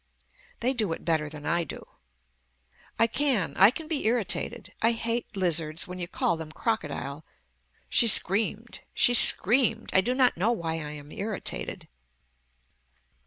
THEY DO IT BETTER THAN I DO I can. I can be irritated. I hate lizards when you call them crocodile. She screamed. She screamed. I do not know why I am irritated.